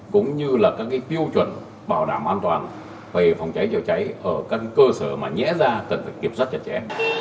cũng như là các tiêu chuẩn bảo đảm an toàn về phòng cháy chữa cháy ở các cơ sở mà nhẽ ra cần phải kiểm soát chặt chẽ